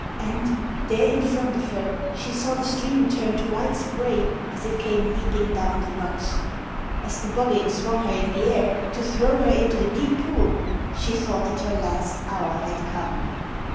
And, there in front of her, she saw the stream turn to white spray as it came leaping down the rocks. As the Buggane swung her in the air to throw her into the deep pool, she thought that her last hour had come.